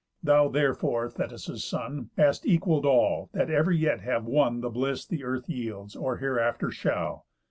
Thou, therefore, Thetis' son, Hast equall'd all, that ever yet have won The bliss the earth yields, or hereafter shall.